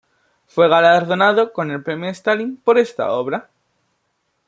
Fue galardonado con el Premio Stalin por esta obra.